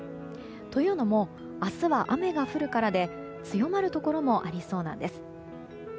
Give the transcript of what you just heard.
というのも明日は雨が降るからで強まるところもありそうなんです。